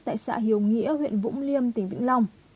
tại xã hiếu nghĩa huyện vũng liêm tỉnh vĩnh long